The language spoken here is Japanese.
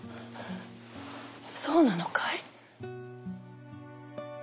そうなのかい？